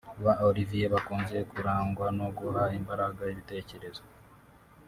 Ba Olivier bakunze kurangwa no guha imbaraga ibitekerezo